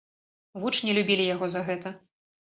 Вучні любілі яго за гэта.